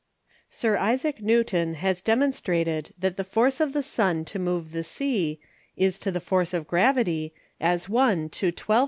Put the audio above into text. Sir Isaac Newton has demonstrated That the Force of the Sun to move the Sea, is to the Force of Gravity, as 1 to 12868200.